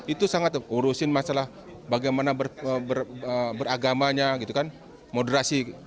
itu sangat urusin masalah bagaimana beragamanya moderasi